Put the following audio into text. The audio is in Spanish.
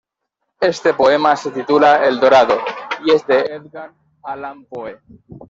Este poema se titula "El Dorado" y es de Edgar Allan Poe.